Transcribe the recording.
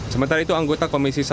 sementara itu anggota konstitusi